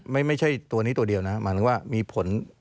ไม่ใช่ตัวนี้ตัวเดียวนะหมายถึงว่ามีผล